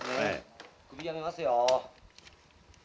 首やめますよ。